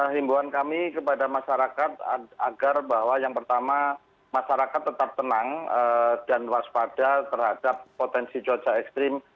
himbuan kami kepada masyarakat agar bahwa yang pertama masyarakat tetap tenang dan waspada terhadap potensi cuaca ekstrim